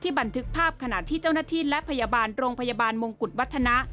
บันทึกภาพขณะที่เจ้าหน้าที่และพยาบาลโรงพยาบาลมงกุฎวัฒนะ